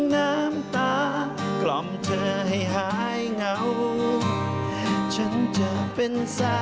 อยากจะเจอแฟน